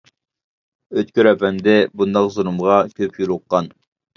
ئۆتكۈر ئەپەندى بۇنداق زۇلۇمغا كۆپ يولۇققان.